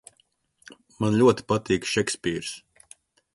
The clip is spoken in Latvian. Man ļoti patīk Šekspīrs!